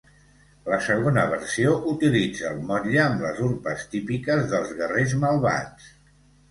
La segona versió utilitza el motlle amb les urpes típiques dels Guerrers Malvats.